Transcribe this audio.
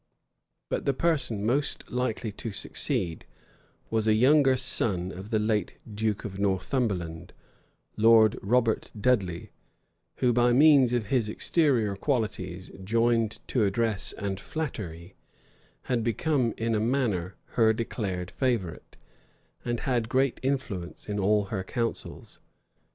But the person most likely to succeed, was a younger son of the late duke of Northumberland, Lord Robert Dudley, who, by means of his exterior qualities, joined to address and flattery, had become in a manner her declared favorite, and had great influence in all her counsels.